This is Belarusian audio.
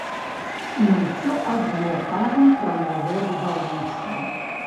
Мы ўсё адно кажам пра новае будаўніцтва.